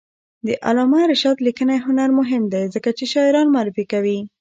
د علامه رشاد لیکنی هنر مهم دی ځکه چې شاعران معرفي کوي.